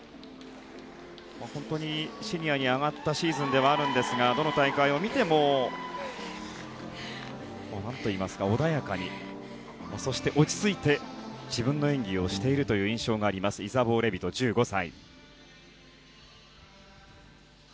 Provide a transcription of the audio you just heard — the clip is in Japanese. シニアに上がったシーズンではあるんですがどの大会を見ても穏やかにそして、落ち着いて自分の演技をしている印象があるイザボー・レビト、１５歳。